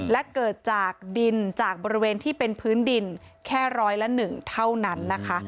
และเกิดจากดินจากบริเวณที่เป็นพื้นดินแค่ร้อยละ๑เท่านั้นนะคะ